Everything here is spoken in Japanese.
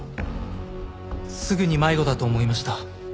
すぐに迷子だと思いました。